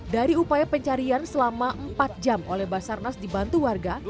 dari upaya pencarian selama empat jam oleh basarnas dibantu warga